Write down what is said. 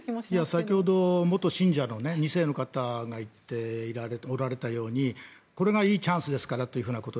先ほど元信者の２世の方が言っておられたようにこれがいいチャンスですからということ。